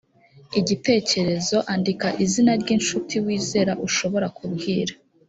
igitekerezo andika izina ry incuti wizera ushobora kubwira